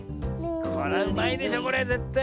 これはうまいでしょこれぜったい。